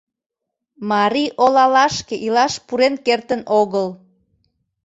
Марий олалашке илаш пурен кертын огыл.